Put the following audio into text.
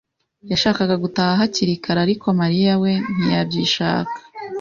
yashakaga gutaha hakiri kare, ariko Mariya we ntiyabishaka.